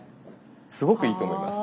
すごくいいと思います。